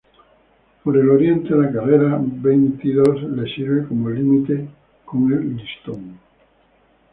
Por el oriente, la carrera Veintidós le sirve como límite con El Listón.